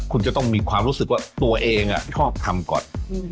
คุณจะต้องมีความรู้สึกว่าตัวเองชอบทำก่อน